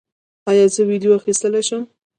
ایا زه ویډیو اخیستلی شم؟